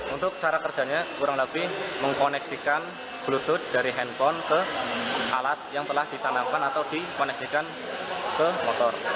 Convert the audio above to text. untuk cara kerjanya kurang lebih mengkoneksikan bluetooth dari handphone ke alat yang telah ditanamkan atau dikoneksikan ke motor